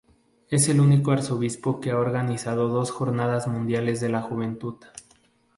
Es el único arzobispo que ha organizado dos Jornadas Mundiales de la Juventud.